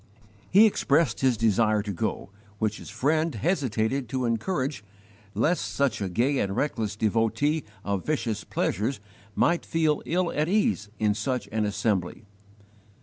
He expressed the desire to go, which his friend hesitated to encourage lest such a gay and reckless devotee of vicious pleasures might feel ill at ease in such an assembly.